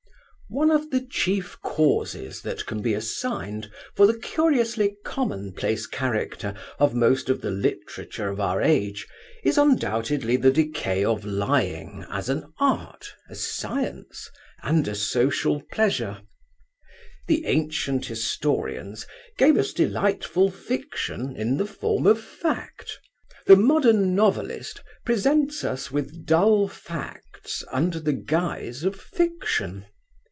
—One of the chief causes that can be assigned for the curiously commonplace character of most of the literature of our age is undoubtedly the decay of Lying as an art, a science, and a social pleasure. The ancient historians gave us delightful fiction in the form of fact; the modern novelist presents us with dull facts under the guise of fiction.